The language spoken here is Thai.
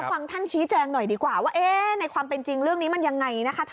ฟังท่านชี้แจงหน่อยดีกว่าว่าในความเป็นจริงเรื่องนี้มันยังไงนะคะ